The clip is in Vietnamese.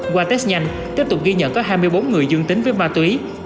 qua test nhanh tiếp tục ghi nhận có hai mươi bốn người dương tính với ma túy